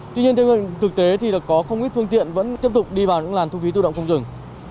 tuy nhiên theo hình thực tế thì có không ít phương tiện vẫn tiếp tục đi vào những làn thu phí tự động không rừng